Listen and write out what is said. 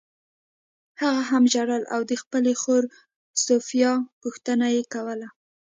هغه هم ژړل او د خپلې خور سوفیا پوښتنه یې کوله